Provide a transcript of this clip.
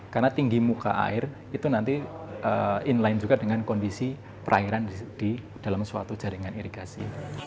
karena tinggi muka air itu nanti inline juga dengan kondisi perairan di dalam suatu jaringan irigasi